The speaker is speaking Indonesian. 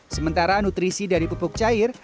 sementara nutrisi dari pupuk cair